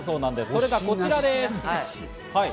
それがこちらです。